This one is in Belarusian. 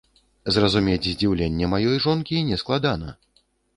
Зразумець здзіўленне маёй жонкі нескладана.